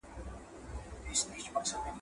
شعر د ټولنې فرهنګ منعکسوي.